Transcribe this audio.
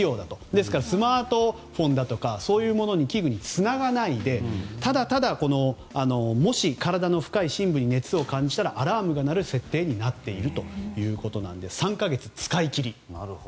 ですからスマートフォンなどの器具につながないでただただ、もし体の深い深部に熱を感じたら、アラームが鳴る設定になっているということで３か月使い切り。